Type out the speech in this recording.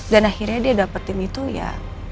dan akhirnya dia dapetin itu ya